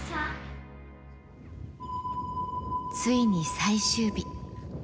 ついに最終日。